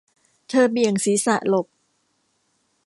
เธอเบี่ยงศีรษะหลบ